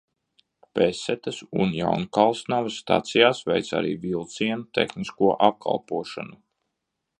Vesetas un Jaunkalsnavas stacijās veic arī vilcienu tehnisko apkalpošanu.